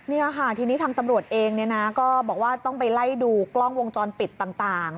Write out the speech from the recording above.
นี่ค่ะทีนี้ทางตำรวจเองเนี่ยนะก็บอกว่าต้องไปไล่ดูกล้องวงจรปิดต่าง